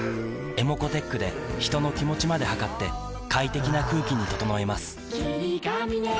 ｅｍｏｃｏーｔｅｃｈで人の気持ちまで測って快適な空気に整えます